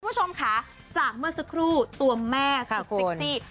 คุณผู้ชมค่ะจากเมื่อสักครู่ตัวแม่สุดเซ็กซี่